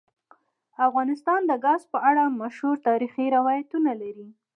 افغانستان د ګاز په اړه مشهور تاریخی روایتونه لري.